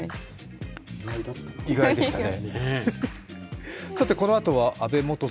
意外でしたね。